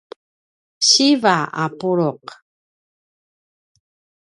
siva a pulu’